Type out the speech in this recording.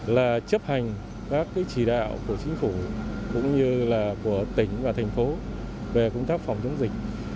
và các huyện có trường hợp mắc covid một mươi chín